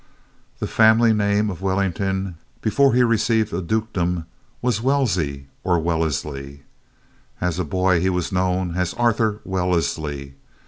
The family name of Wellington, before he received a dukedom, was Wesley or Wellesley. As a boy he was known as Arthur Wellesley.